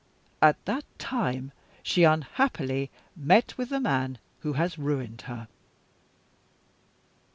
At that time, she unhappily met with the man who has ruined her."